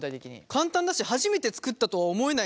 簡単だし初めて作ったとは思えない手応え。